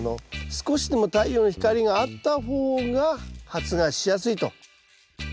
少しでも太陽の光があった方が発芽しやすいと。